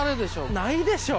ないでしょう。